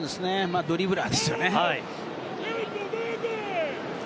ドリブラーですよね。